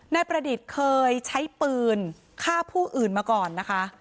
นายประดิษฐ์เคยใช้ปืนฆ่าผู้อื่นมาก่อนนะคะ